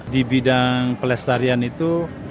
di bidang pelestarian itu